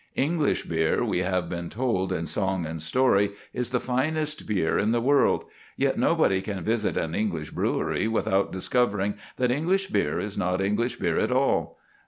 English beer, we have been told in song and story, is the finest beer in the world. Yet nobody can visit an English brewery without discovering that English beer is not English beer at all.